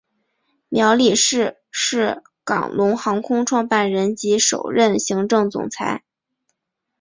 苗礼士是港龙航空创办人及首任行政总裁。